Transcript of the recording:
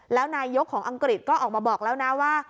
แล้วนายกของอังกฤษก็ออกมาบอกแล้วนะว่า